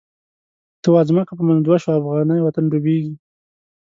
ته واځمکه په منځ دوه شوه، افغانی وطن ډوبیږی